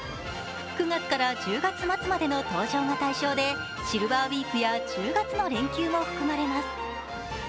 ９月から１０月末までの搭乗が対象でシルバーウイークや１０月の連休も含まれます。